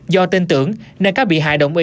do tin tưởng nên các bị hại đồng ý